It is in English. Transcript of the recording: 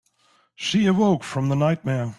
She awoke from the nightmare.